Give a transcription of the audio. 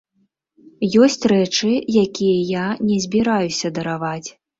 Ёсць рэчы, якія я не збіраюся дараваць.